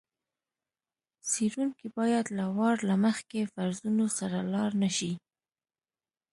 څېړونکی باید له وار له مخکې فرضونو سره لاړ نه شي.